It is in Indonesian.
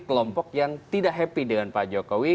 kelompok yang tidak happy dengan pak jokowi